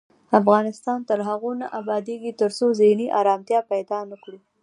افغانستان تر هغو نه ابادیږي، ترڅو ذهني ارامتیا پیدا نکړو.